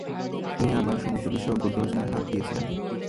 তিনি আবার সমুদ্র-বিষয়ক গদ্য রচনায় হাত দিয়েছিলেন।